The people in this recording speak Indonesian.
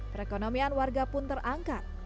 perekonomian warga pun terangkat